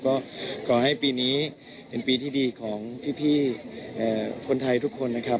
ก็ขอให้ปีนี้เป็นปีที่ดีของพี่คนไทยทุกคนนะครับ